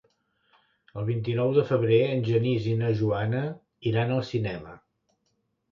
El vint-i-nou de febrer en Genís i na Joana iran al cinema.